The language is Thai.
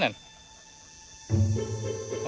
นังนี่